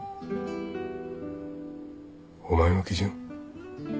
お前の基準？